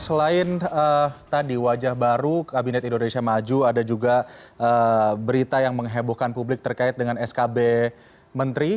selain tadi wajah baru kabinet indonesia maju ada juga berita yang menghebohkan publik terkait dengan skb menteri